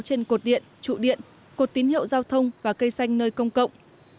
trên cột điện trụ điện cột tín hiệu giao thông và cây xanh nơi công cộng